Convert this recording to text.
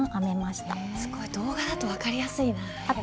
すごい動画だと分かりやすいなぁ。